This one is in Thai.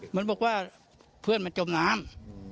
มันบอกว่าเพื่อนมันจมน้ำ